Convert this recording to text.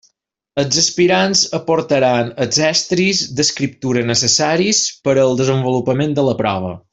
Els aspirants aportaran els estris d'escriptura necessaris per al desenvolupament de la prova.